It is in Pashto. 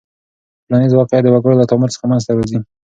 ټولنیز واقعیت د وګړو له تعامل څخه منځ ته راځي.